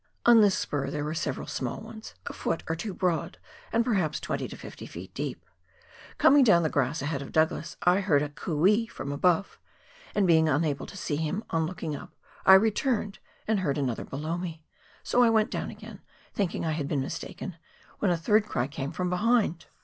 On this spur there were several small ones, a foot or two broad, and perhaps 20 to 50 ft. deep. Coming down the grass ahead of Douglas, I heard a " coo ee " from above, and being unable to see him on looking up, I returned and heard another below me, so I went down again, thinking I had been mistaken, when a third cry came from behind.